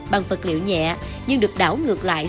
bằng vật liệu nhẹ nhưng được đảo ngược lại